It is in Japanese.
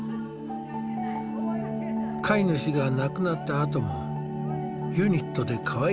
飼い主が亡くなったあともユニットでかわいがられていた。